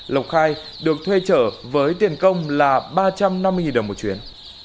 lộc khai được thuê chở với tiền công là ba trăm năm mươi đồng một chuyến